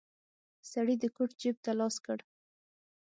سړی د کوټ جيب ته لاس کړ.